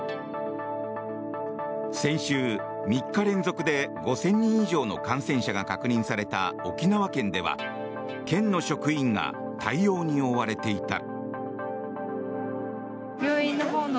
先週、３日連続で５０００人以上の感染者が確認された沖縄県では県の職員が対応に追われていた。